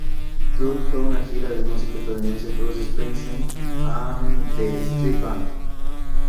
Tour fue una gira del músico estadounidense Bruce Springsteen y The E Street Band.